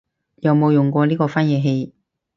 有冇用過呢個翻譯器